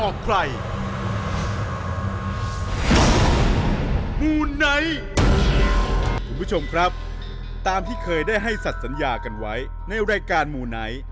คุณผู้ชมครับตามที่เคยได้ให้สัตว์สัญญากันไว้ในรายการมูไนท์